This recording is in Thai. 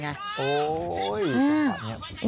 โอ้โห